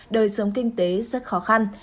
đời sống kinh tế rất khó khăn